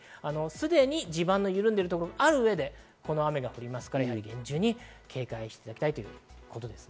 すでに地盤の緩んでいるところがある上で、この雨が降りますから厳重に警戒していただきたいです。